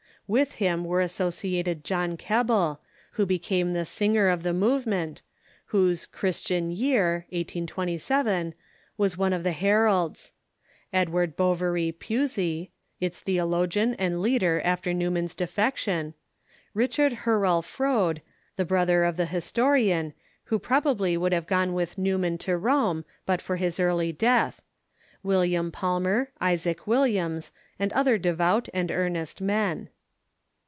With him were associated John Keble, who became the singer of the movement, whose "Christian Year" (1827) was one of its heralds ; Edward Bouverie Pusey, its theologian and leader after Newman's defection; Richard Hurrell Froude, the broth er of the historian, who probably would have gone with New man to Rome but for his early death ; William Palmer, Isaac Williams, and other devout and earnest men.